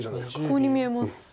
コウに見えます。